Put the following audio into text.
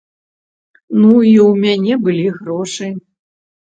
Ну і ў мяне былі грошы.